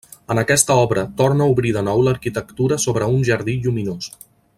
En aquesta obra, torna a obrir de nou l'arquitectura sobre un jardí lluminós.